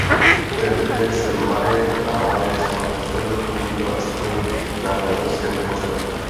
V té době se Marie Amálie stala představitelkou „mírové“ strany na bavorském dvoře.